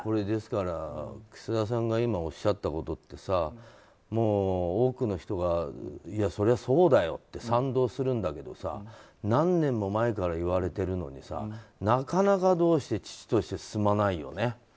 ですから、楠田さんが今おっしゃったことって多くの人がそれはそうだよって賛同するんだけど何年も前から言われてるのにさなかなかどうして遅々として進まないよね。